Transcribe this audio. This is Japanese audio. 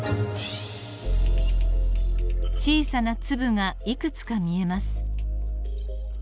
小さな粒がいくつか見えます。